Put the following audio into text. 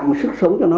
một sức sống cho nó